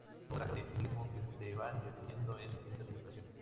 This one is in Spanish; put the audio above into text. Su obra está cargada de simbolismo que se van repitiendo en distintas ilustraciones.